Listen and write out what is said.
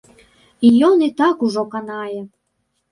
Ён і так ужо канае.